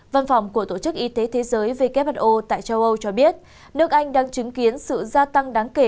văn phòng của tổ chức y tế thế giới who tại châu âu cho biết nước anh đang chứng kiến sự gia tăng đáng kể